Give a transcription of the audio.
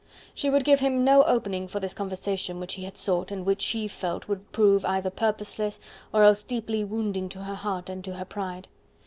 She would give him no opening for this conversation which he had sought and which she felt would prove either purposeless or else deeply wounding to her heart and to her pride.